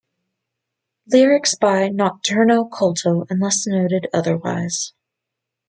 Lyrics by Nocturno Culto unless noted otherwise.